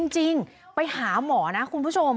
จริงไปหาหมอนะคุณผู้ชม